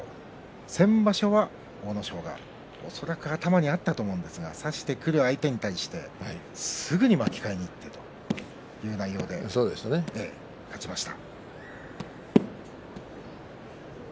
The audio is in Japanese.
先場所は阿武咲はそれが頭にあったと思うんですが差してくる相手に対してすぐに巻き替えていくという内容で勝ちました。